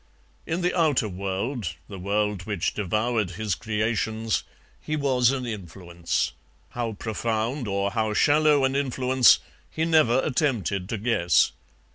In the outer world, the world which devoured his creations, he was an influence; how profound or how shallow an influence he never attempted to guess.